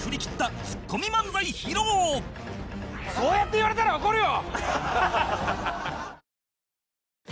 そうやって言われたら怒るよ！